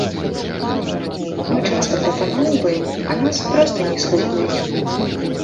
Мы часта прапаноўваем, а нас проста не слухаюць.